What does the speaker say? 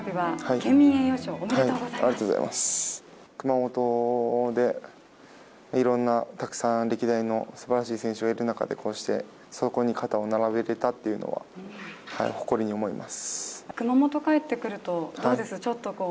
熊本でいろんな、たくさん歴代の選手がいる中でこうして、そこに肩を並べられたというのは誇りに思います。